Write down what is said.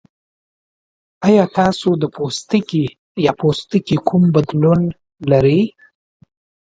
ایا تاسو د پوستکي یا پوستکي کوم بدلون لرئ؟